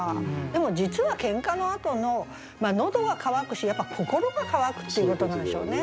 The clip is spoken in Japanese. でも実は喧嘩のあとの喉は渇くしやっぱ心が渇くっていうことなんでしょうね。